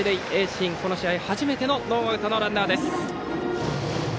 盈進、この試合初めてのノーアウトのランナー。